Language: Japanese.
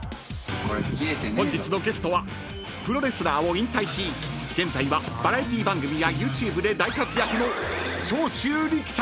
［本日のゲストはプロレスラーを引退し現在はバラエティー番組やＹｏｕＴｕｂｅで大活躍の］